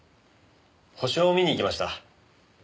星を見に行きました。